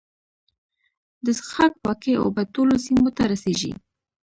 د څښاک پاکې اوبه ټولو سیمو ته رسیږي.